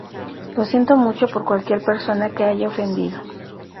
Lo siento mucho por cualquier persona que haya ofendido".